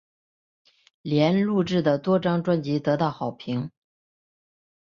莲录制的多张专辑得到好评。